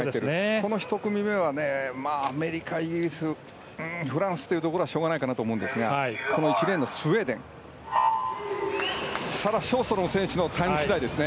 この１組目はアメリカ、イギリスフランスというところはしょうがないかなと思うんですが１レーンのスウェーデンサラ・ショーストロムのタイム次第ですね。